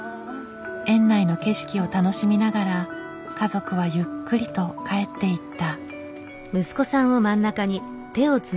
園内の景色を楽しみながら家族はゆっくりと帰っていった。